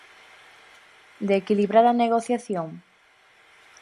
¿De equilibrar a negociación?